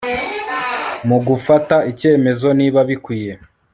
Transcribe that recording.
mu gufata icyemezo niba bikwiye